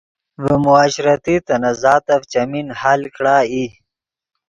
ڤے معاشرتی تنازعاتف چیمین حل کڑا ای